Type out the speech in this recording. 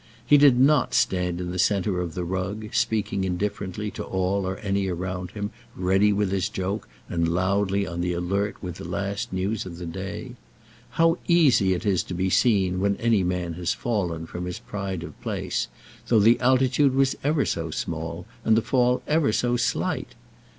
He did not stand in the centre of the rug, speaking indifferently to all or any around him, ready with his joke, and loudly on the alert with the last news of the day. How easy it is to be seen when any man has fallen from his pride of place, though the altitude was ever so small, and the fall ever so slight.